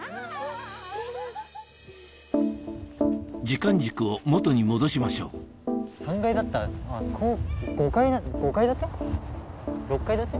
時間軸を元に戻しましょう３階だったここ５階建て？